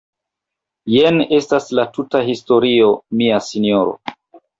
Jen estas la tuta historio, mia sinjoro.